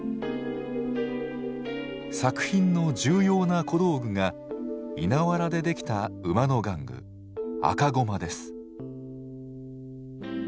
作品の重要な小道具が稲わらで出来た馬の玩具赤駒です。